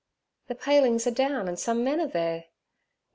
'The palings are down and some men are there.